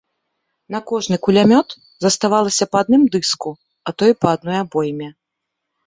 На кожны кулямёт заставалася па адным дыску, а то і па адной абойме.